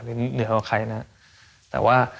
หรือเหนือกว่าใครนะฮะ